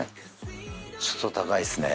ちょっと高いっすね